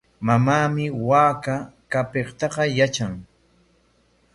Mamaami waaka qapiytaqa yatran.